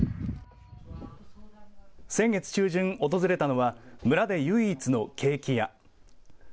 先月中旬、訪れたのは村で唯一のケーキ屋。